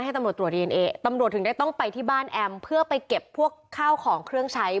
ตำรวจถึงได้ต้องไปที่บ้านแอมท์เพื่อไปเก็บพวกข้าวของเครื่องใช้